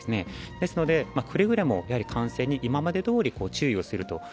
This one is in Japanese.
ですからくれぐれも感染に今までどおり注意すると。